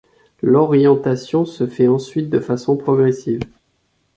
L’orientation se fait ensuite de façon progressive.